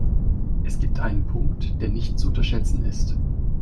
Es gibt einen Punkt, der nicht zu unterschätzen ist.